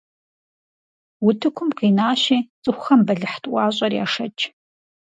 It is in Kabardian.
Утыкум къинащи, цӀыхухэм бэлыхь тӀуащӀэр яшэч.